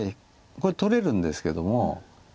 これ取れるんですけども。